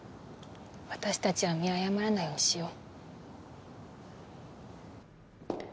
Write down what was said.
私たちは見誤らないようにしよう。